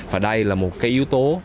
và đây là một yếu tố